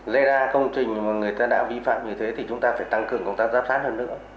lấy ra công trình mà người ta đã vi phạm như thế thì chúng ta phải tăng cường công tác giáp sát hơn nữa